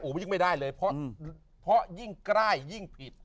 โอ้ยไม่ได้เลยเพราะยิ่งกล้ายยิ่งผิด